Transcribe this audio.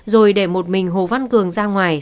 rồi để một mình hồ văn cường ra ngoài